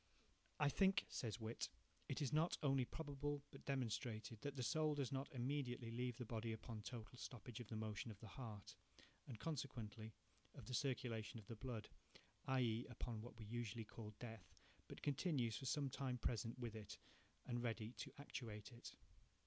"I think," says Whytt, "it is not only probable, but demonstrated, that the soul does not immediately leave the body upon a total stoppage of the motion of the heart, and consequently, of the circulation of the blood, i.e., upon what we usually call Death, but continues for some time present with it and ready to actuate it...